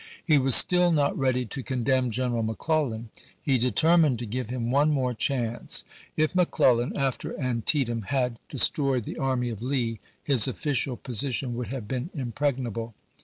He was still not ready to condemn General Mc Clellan. He determined to give him one more chance. If McClellan, after Antietam, had de stroyed the army of Lee his official position would have been impregnable.